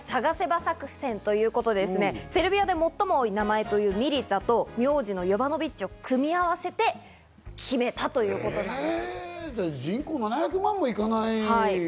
作戦ということで、セルビアで最も多い名前「ミリツァ」と、最も多い苗字、「ヨヴァノビッチ」を合わせて決めたということです。